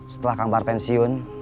setelah kang bahar pensiun